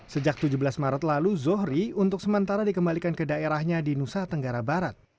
sejak tujuh belas maret lalu zohri untuk sementara dikembalikan ke daerahnya di nusa tenggara barat